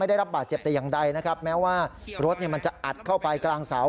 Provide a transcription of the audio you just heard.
ได้รับบาดเจ็บแต่อย่างใดนะครับแม้ว่ารถมันจะอัดเข้าไปกลางเสา